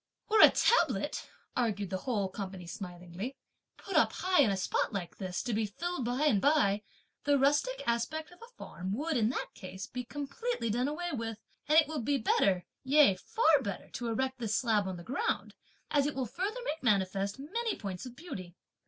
"Were a tablet," argued the whole company smilingly, "put up high in a spot like this, to be filled up by and by, the rustic aspect of a farm would in that case be completely done away with; and it will be better, yea far better to erect this slab on the ground, as it will further make manifest many points of beauty.